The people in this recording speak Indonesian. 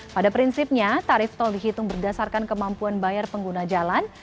pada prinsipnya tarif tol dihitung berdasarkan kemampuan bayar pengguna jalan